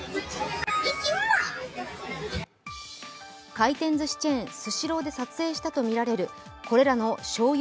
回転ずしチェーン、スシローで撮影したとみられるこれらのしょうゆ